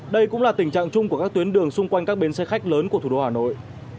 đây cũng là tình trạng chung của các tuyến đường xung quanh các bến xe khách lớn của thủ đô hà nội